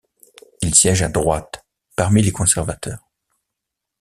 Il siège à droite, parmi les conservateurs.